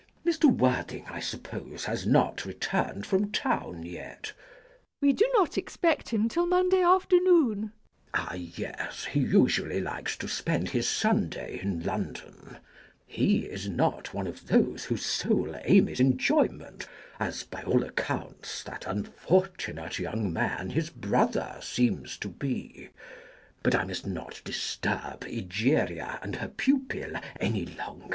Ahem! Mr. Worthing, I suppose, has not returned from town yet? MISS PRISM. We do not expect him till Monday afternoon. CHASUBLE. Ah yes, he usually likes to spend his Sunday in London. He is not one of those whose sole aim is enjoyment, as, by all accounts, that unfortunate young man his brother seems to be. But I must not disturb Egeria and her pupil any longer.